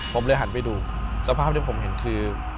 ผมเลยหันไปดูสภาพที่ผมเห็นคือ